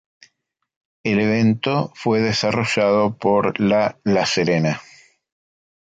El evento fue desarrollado por la La Serena.